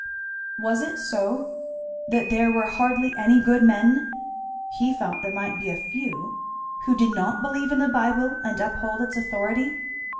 Was it so? that there were hardly any good men (he thought there might be a few) who did not believe in the Bible and uphold its authority?